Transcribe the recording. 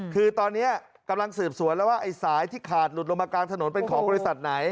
คือตอนนี้กำลังสืบสวนแล้วว่าไอ้สายที่ขาดหลุดลงมากลางถนนเป็นของบริษัทไหน